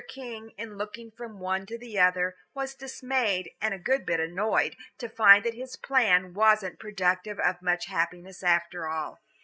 King, in looking from one to the other, was dismayed and a good bit annoyed to find that his plan wasn't productive of much happiness after all.